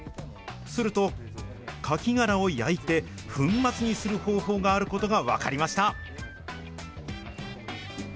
すると、カキ殻を焼いて、粉末にする方法があることが分かりました。